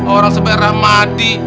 orang seperti rahmadi